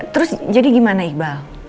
terus jadi gimana iqbal